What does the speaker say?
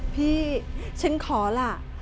พี่ฉันขอล่ะ